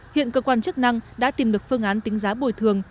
hiện cơ quan chức năng đã tìm được phương án tính giá bồi thường